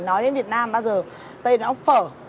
nói đến việt nam bao giờ tây là ốc phở